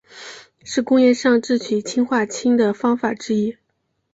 是工业上制取氰化氢的方法之一。